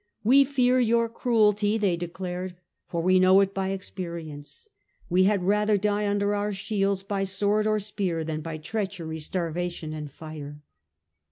" We fear your cruelty," they declared, " for we know it by experience ; we had rather die under our shields by sword or spear than by treachery, starvation and fire."